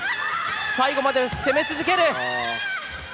最後まで攻め続ける！